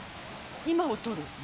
今を取る。